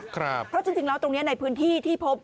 เพราะจริงแล้วตรงนี้ในพื้นที่ที่พบ